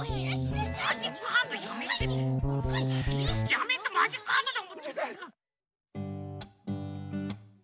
やめてマジックハンドで。